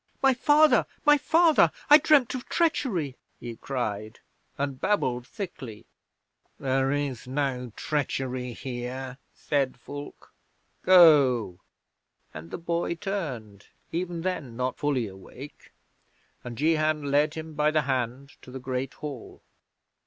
"My father! My father! I dreamed of treachery," he cried, and babbled thickly. '"There is no treachery here," said Fulke. "Go!" and the boy turned, even then not fully awake, and Jehan led him by the hand to the Great Hall.